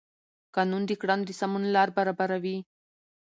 قانون د کړنو د سمون لار برابروي.